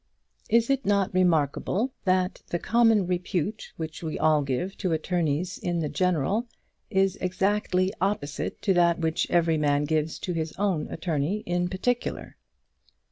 Is it not remarkable that the common repute which we all give to attorneys in the general is exactly opposite to that which every man gives to his own attorney in particular?